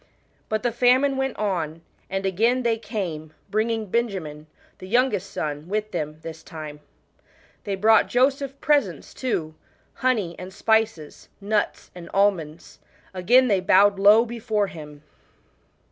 But the famine went on, and again they came, bringing Benjamin, the youngest son, with them this time. They brought Joseph presents too honey and spices, nuts and almonds. Again they bowed low before him.